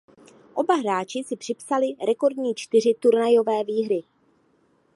Oba hráči si připsali rekordní čtyři turnajové výhry.